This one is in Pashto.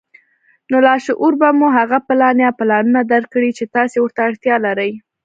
نو لاشعور به مو هغه پلان يا پلانونه درکړي چې تاسې ورته اړتيا لرئ.